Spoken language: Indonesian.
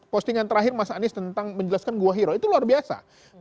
postingan terakhir mas anies tentang menjelaskan gua hero itu luar biasa